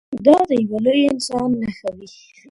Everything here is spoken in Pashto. دا د یوه لوی انسان نښه وي.